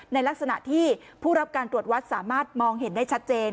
ในลักษณะที่ผู้รับการตรวจวัดสามารถมองเห็นได้ชัดเจน